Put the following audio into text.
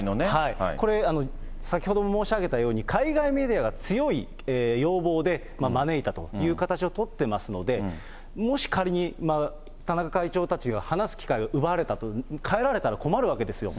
これ、先ほども申し上げたように、海外メディアが強い要望で招いたという形を取ってますので、もし仮に、田中会長たちが話す機会を奪われたと、帰られたら困るわけですよ。